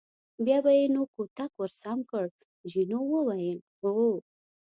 بیا به یې نو کوتک ور سم کړ، جینو وویل: هو.